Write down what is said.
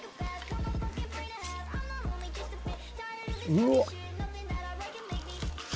うわっ。